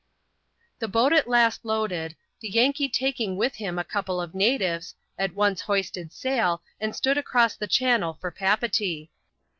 The boat at last loaded, the Yankee taking with him a couple of natives, at once hoisted sail, and stood across the channel for Papeetee.